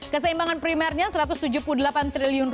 keseimbangan primernya rp satu ratus tujuh puluh delapan triliun